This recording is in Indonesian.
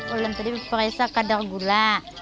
ulun tadi peresa kadar gula